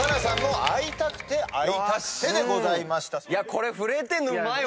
これ震えてんのうまいわ。